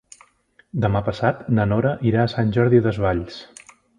Demà passat na Nora irà a Sant Jordi Desvalls.